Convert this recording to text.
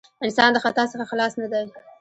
انسان د خطاء څخه خلاص نه دی.